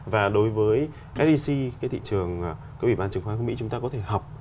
và đối với sec cái thị trường các ủy ban chứng khoán của mỹ chúng ta có thể học